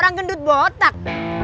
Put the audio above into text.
orang gendut botak